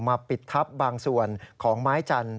ปิดทับบางส่วนของไม้จันทร์